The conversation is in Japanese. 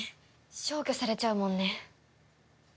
消去されちゃうもんね。